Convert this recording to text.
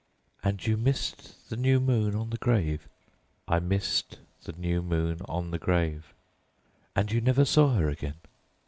"And you missed the new moon on the grave?" "I missed the new moon on the grave." "And you never saw her again?"